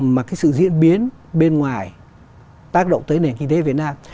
mà cái sự diễn biến bên ngoài tác động tới nền kinh tế việt nam